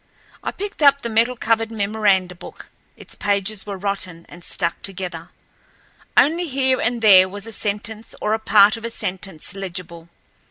I picked up the metal covered memoranda book. Its pages were rotten and stuck together. Only here and there was a sentence or a part of a sentence legible.